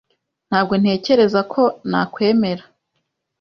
Ntabwo ntekereza ko nakwemera.